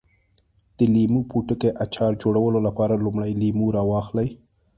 د لیمو پوټکي اچار جوړولو لپاره لومړی لیمو راواخلئ.